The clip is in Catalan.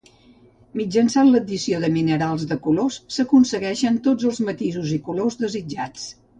Mitjançant l'addició de minerals de colors s'aconsegueixen tots els matisos i colors desitjats.